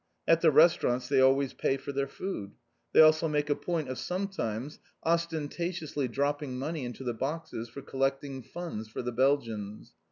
At the restaurants they always pay for their food. They also make a point of sometimes ostentatiously dropping money into the boxes for collecting funds for the Belgians.